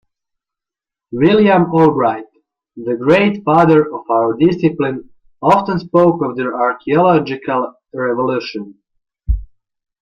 William Albright, the great father of our discipline, often spoke of the archaeological revolution.